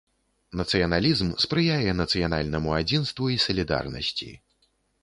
Нацыяналізм спрыяе нацыянальнаму адзінству і салідарнасці.